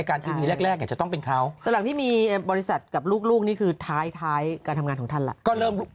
กี่ปีพี่เป็น๑๐เนอะอยู่นานมาก